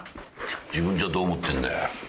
自分じゃどう思ってんだよ。